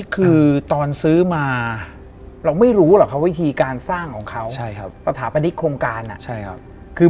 เขาไปดูแล้ว